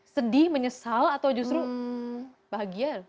sedih menyesal atau justru bahagia